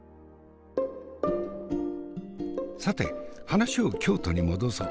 さて話を京都に戻そう。